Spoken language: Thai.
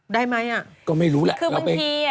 ได้ไหมอ่ะก็ไม่รู้แหละคือบางทีอ่ะ